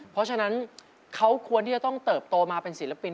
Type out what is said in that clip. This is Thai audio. เพราะฉะนั้นเขาควรที่จะต้องเติบโตมาเป็นศิลปิน